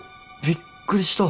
びっくりした。